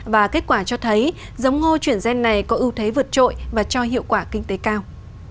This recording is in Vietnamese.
và kết quả cho thấy giống ngô chuyển gen này có ưu thế vượt trội và cho hiệu quả kinh tế cao